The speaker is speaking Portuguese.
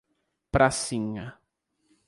Pracinha